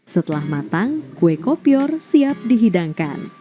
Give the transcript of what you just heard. setelah matang kue kopior siap dihidangkan